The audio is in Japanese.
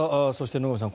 野上さん